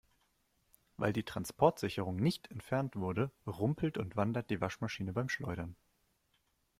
Weil die Transportsicherung nicht entfernt wurde, rumpelt und wandert die Waschmaschine beim Schleudern.